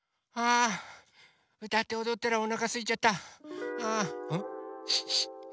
あうたっておどったらおなかすいちゃった。